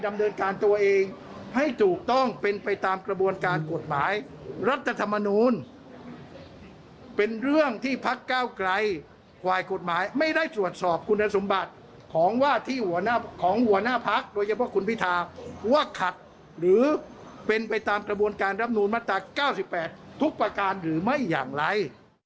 ไม่ได้ตรวจสอบคุณสมบัติของหัวหน้าพักษ์โดยเฉพาะคุณพิธาว่าขัดหรือเป็นไปตามกระบวนการรับโน้นมาตรา๙๘ทุกประการหรือไม่อย่างไร